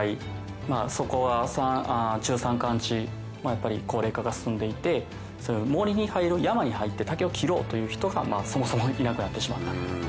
中山間地もやっぱり高齢化が進んでいて森に入る山に入って竹を切ろうという人がそもそもいなくなってしまった。